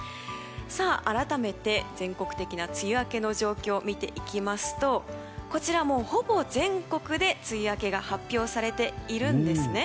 改めて、全国的な梅雨明けの状況を見ていきますとほぼ全国で梅雨明けが発表されているんですね。